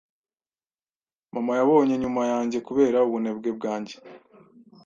Mama yabonye nyuma yanjye kubera ubunebwe bwanjye.